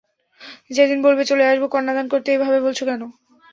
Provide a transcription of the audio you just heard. যেদিন বলবে চলে আসব কন্যাদান করতে - এভাবে বলছ কেন?